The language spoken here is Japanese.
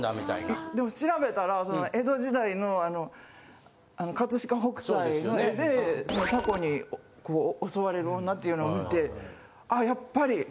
でも調べたら江戸時代の葛飾北斎の絵でタコに襲われる女っていうのを見てあやっぱり。